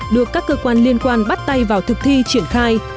được các cơ quan liên quan bắt tay vào thực thi triển khai